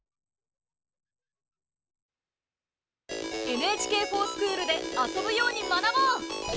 「ＮＨＫｆｏｒＳｃｈｏｏｌ」で遊ぶように学ぼう！